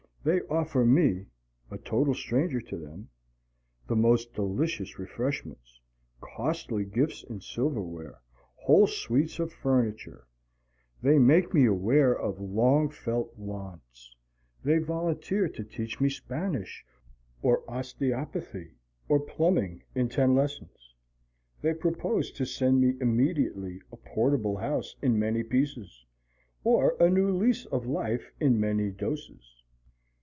They offer me, a total stranger to them, the most delicious refreshments, costly gifts in silverware, whole suites of furniture; they make me aware of "long felt" wants; they volunteer to teach me Spanish or osteopathy or plumbing in ten lessons; they propose to send me immediately a portable house in many pieces, or a new lease of life in many doses.